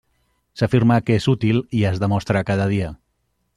S'afirma que és útil, i es demostra cada dia.